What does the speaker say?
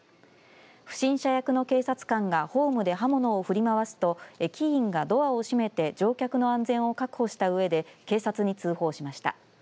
不審者役の警察官がホームで刃物を振り回すと駅員がドアを閉めて乗客の安全を確保したうえで警察に通報しました。